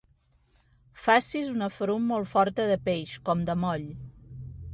Facis una ferum molt forta de peix, com de moll.